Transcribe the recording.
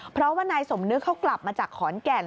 เพราะว่านายสมนึกเขากลับมาจากขอนแก่น